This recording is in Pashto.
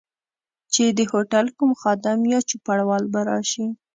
چي د هوټل کوم خادم یا چوپړوال به راشي.